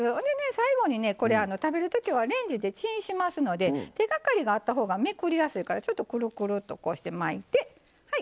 最後にねこれ食べる時はレンジでチンしますので手がかりがあったほうがめくりやすいからちょっとくるくるとこうして巻いてはいこれ１つ出来上がり。